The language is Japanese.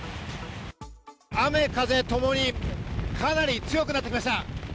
雨、風ともにかなり強くなってきました。